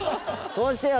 そうしてよ